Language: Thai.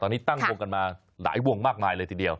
ตอนนี้ตั้งวงกันมาหลายวงมากมายเลยทีเดียว